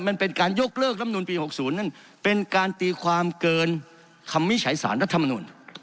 มันเป็นการยกเลิกลำนูลปี๖๐นั่นเป็นการตีความเกินคำวิจัยสารรัฐมนุน